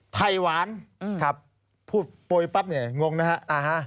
ไผ่หวานครับพูดปล่อยปั๊บเนี้ยงงนะฮะอ่าฮะ